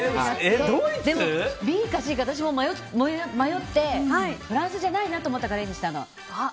ＢかＣか私も迷ってフランスじゃないなと思ったからＡにしたの。